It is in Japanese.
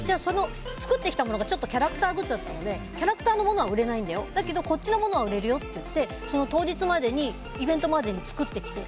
作ってきたものがキャラクターグッズだったのでキャラクターのものは売れないんだよだけど、こっちのものは売れるよって言って当日のイベントまでに作ってきて。